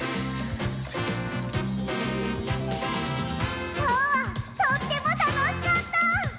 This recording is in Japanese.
きょうはとってもたのしかった！